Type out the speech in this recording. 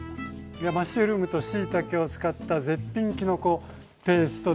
マッシュルームとしいたけを使った絶品きのこペーストでした。